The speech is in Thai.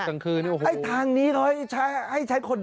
กลางคืนอีก